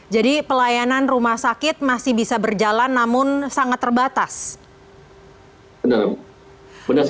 jadi pelayanan rumah sakit masih bisa berjalan namun sangat terbatas